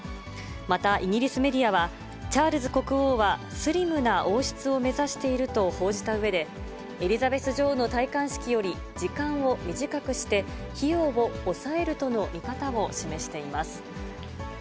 また、イギリスメディアは、チャールズ国王はスリムな王室を目指していると報じたうえで、エリザベス女王の戴冠式より時間を短くして、費用を抑えるとの見方を示しています。